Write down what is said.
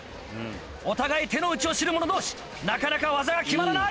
お互い手の内を知る者同士なかなか技が決まらない。